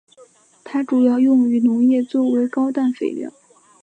它主要用于农业作为高氮肥料。